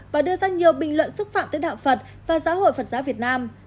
và đưa ra nhiều bình luận xúc phạm tới đạo phật và giáo hội phật giáo việt nam